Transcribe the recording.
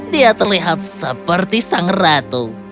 dia terlihat seperti sang ratu